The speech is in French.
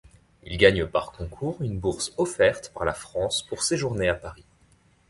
Il gagne par concours une bourse offerte par la France pour séjourner à Paris.